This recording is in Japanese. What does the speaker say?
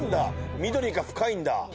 緑が深いんだ。